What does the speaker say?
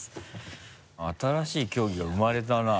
新しい競技が生まれたな。